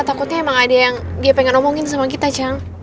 takutnya emang ada yang dia pengen omongin sama kita cang